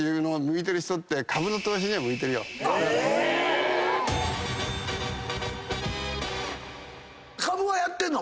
株はやってんの？